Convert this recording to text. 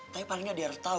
tapi palingnya dia harus tau